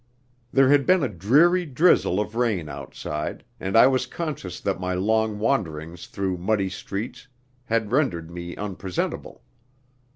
There had been a dreary drizzle of rain outside, and I was conscious that my long wanderings through muddy streets had rendered me unpresentable.